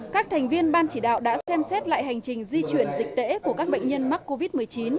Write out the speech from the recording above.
các thành viên ban chỉ đạo đã xem xét lại hành trình di chuyển dịch tễ của các bệnh nhân mắc covid một mươi chín